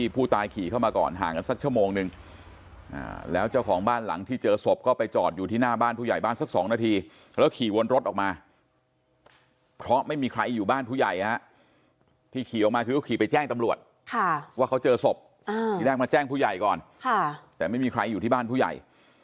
เพราะไม่มีใครอยู่บ้านผู้ใหญ่นะฮะที่ขี่ออกมาก็ขี่ไปแจ้งตำรวจว่าเขาเจอศพที่แรกมาแจ้งผู้ใหญ่ก่อนแต่ไม่มีใครอยู่ที่บ้านผู้ใหญ่